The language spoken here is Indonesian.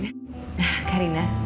nah kak rina